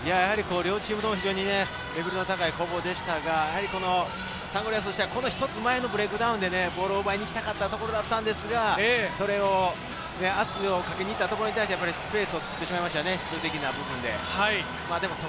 両チームとも非常にレベルの高い攻防でしたが、サンゴリアスとしてはこの前の一つのブレイクダウンでボールを奪いたかったところでしたが、それを圧をかけていったところに対してスペースを作ってしまいましたよね。